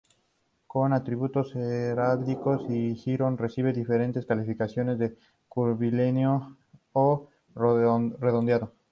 Como atributo heráldico, el jirón recibe diferentes calificaciones de "curvilíneo" o "redondeado".